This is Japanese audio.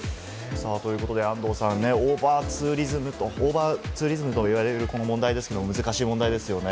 ということで、安藤さん、オーバーツーリズムと言われるこの問題ですけれども、難しい問題ですよね。